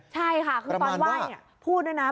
ใช่ค่ะคือตอนไหว้พูดด้วยนะ